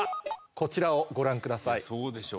こちらをご覧ください。